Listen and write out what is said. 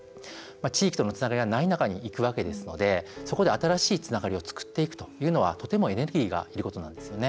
地域とのつながりがない中に行くわけですのでそこで新しいつながりを作っていくというのは、とてもエネルギーがいることなんです。